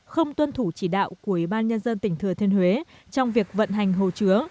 không tuân thủ chỉ đạo của ủy ban nhân dân tỉnh thừa thiên huế trong việc vận hành hồ chứa